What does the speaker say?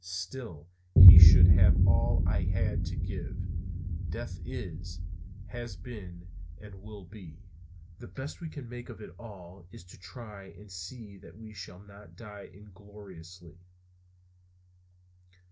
Still, he should have all I had to give. Death is, has been, and will be. The best we can make of it all is to try and see that we shall not die ingloriously.